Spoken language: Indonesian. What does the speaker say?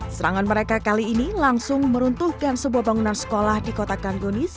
serangan mereka kali ini langsung meruntuhkan sebuah bangunan sekolah di kota kangonis